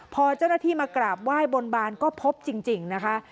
พอเจ้าหน้าที่มากราบไหว้บนบานก็พบจริงนะคะ